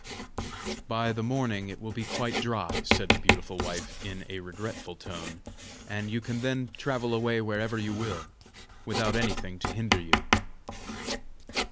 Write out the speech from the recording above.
"By the morning it will be quite dry," said the beautiful wife, in a regretful tone, "and you can then travel away wherever you will, without anything to hinder you."